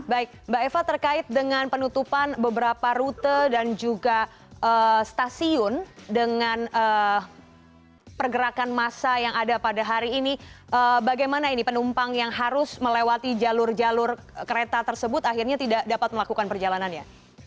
baik mbak eva terkait dengan penutupan beberapa rute dan juga stasiun dengan pergerakan masa yang ada pada hari ini bagaimana ini penumpang yang harus melewati jalur jalur kereta tersebut akhirnya tidak dapat melakukan perjalanannya